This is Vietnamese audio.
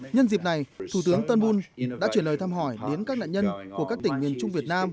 nhân dịp này thủ tướng tân bùn đã chuyển lời thăm hỏi đến các nạn nhân của các tỉnh miền trung việt nam